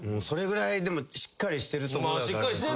それぐらいでもしっかりしてるとこだから。